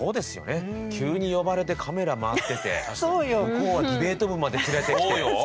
急に呼ばれてカメラ回ってて向こうはディベート部まで連れてきて。